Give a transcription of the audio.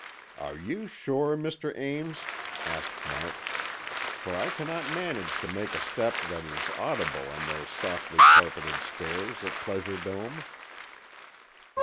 "Are you sure, Mr. Ames?" asked March. "For I cannot manage to make a step that is audible on those softly carpeted stairs at Pleasure Dome."